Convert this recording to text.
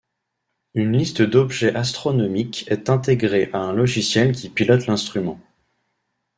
Une liste d'objets astronomiques est intégrée à un logiciel qui pilote l’instrument.